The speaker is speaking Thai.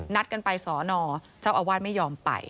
นัดกันไปสอนอเจ้าอาวาสไม่ยอมไป